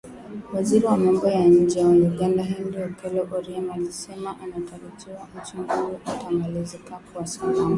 Waziri wa Mambo ya Nje wa Uganda Henry Okello Oryem alisema anatarajia uchaguzi utamalizika kwa salama.